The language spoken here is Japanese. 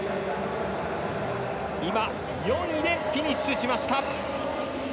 ４位でフィニッシュしました。